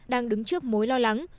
đang đứng trước mối lo lắng